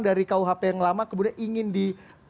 dari kuhp yang lama kemudian ingin di